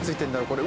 これ。